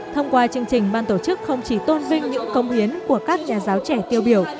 thông qua chương trình ban tổ chức không chỉ tôn vinh những công hiến của các nhà giáo trẻ tiêu biểu